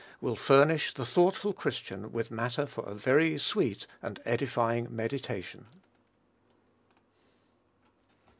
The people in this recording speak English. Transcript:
will furnish the thoughtful Christian with matter for a very sweet and edifying meditation.